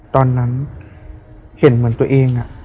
ตอนนั้นเห็นเหมือนตัวเอง